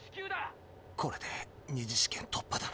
これで２次試験突破だな。